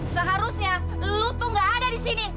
seharusnya lo tuh gak ada disini